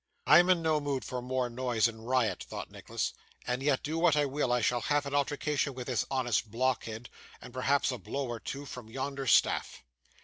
'I am in no mood for more noise and riot,' thought Nicholas, 'and yet, do what I will, I shall have an altercation with this honest blockhead, and perhaps a blow or two from yonder staff.